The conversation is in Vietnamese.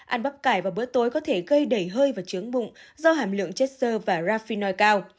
ăn bắp cải vào bữa tối có thể gây đẩy hơi và trướng bụng do hàm lượng chất sơ và rafinoi cao